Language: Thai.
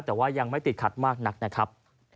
แต่ว่ายังไม่ติดขัดมากนักนะครับ